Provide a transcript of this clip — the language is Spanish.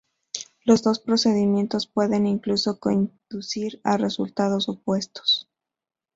Los dos procedimientos pueden incluso conducir a resultados opuestos.